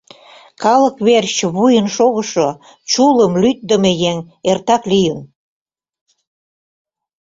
Калык верч вуйын шогышо, чулым, лӱддымӧ еҥ эртак лийын.